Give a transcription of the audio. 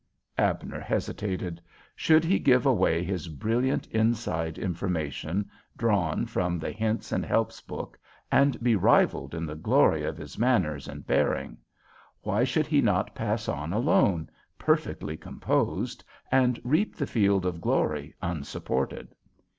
Abner hesitated. Should he give away his brilliant inside information, drawn from the Hints and Helps book, and be rivalled in the glory of his manners and bearing? Why should he not pass on alone, perfectly composed, and reap the field of glory unsupported?